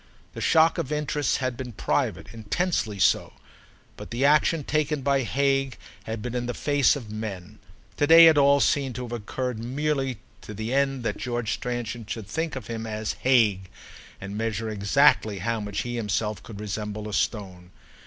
The shock of interests had been private, intensely so; but the action taken by Hague had been in the face of men. To day it all seemed to have occurred merely to the end that George Stransom should think of him as "Hague" and measure exactly how much he himself could resemble a stone.